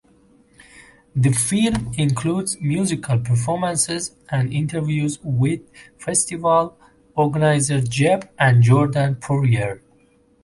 The film includes musical performances and interviews with festival organizers Jeb and Jordan Puryear.